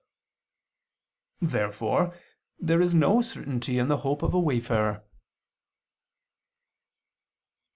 Therefore there is no certainty in the hope of a wayfarer.